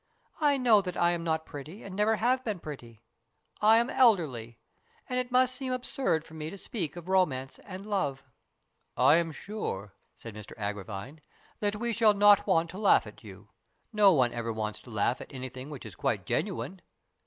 I know that I am not pretty and never have been pretty. I am elderly, and it must seem absurd for me to speak of romance and love." " I feel sure," said Mr Agravine, " that we shall not want to laugh at you. No one ever wants to laugh at anything which is quite genuine."